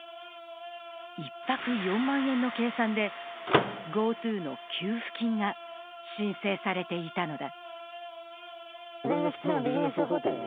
１泊４万円の計算でＧｏＴｏの給付金が申請されていたのだ。